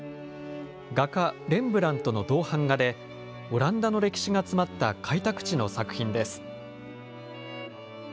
画家、レンブラントの銅版画で、オランダの歴史が詰まった開拓地の作品です。